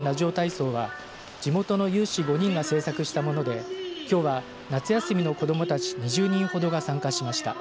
唐津市の東部地方の方言で収録された唐津弁ラジオ体操は地元の有志５人が制作したものできょうは夏休みの子どもたち２０人ほどが参加しました。